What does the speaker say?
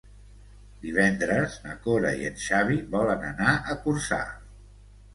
Divendres na Cora i en Xavi volen anar a Corçà.